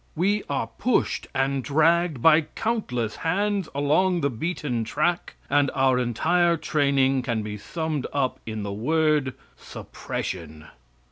We are pushed and dragged by countless hands along the beaten track, and our entire training can be summed up in the word "suppression."